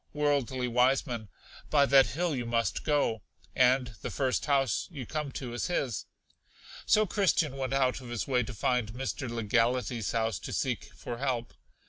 Worldly Wiseman. By that hill you must go, and the first house you come to is his. So Christian went out of his way to find Mr. Legality's house to seek for help.